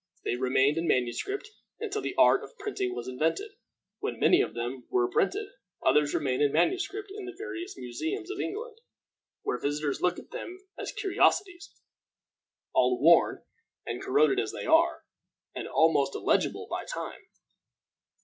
They remained in manuscript until the art of printing was invented, when many of them were printed; others remain in manuscript in the various museums of England, where visitors look at them as curiosities, all worn and corroded as they are, and almost illegible by time.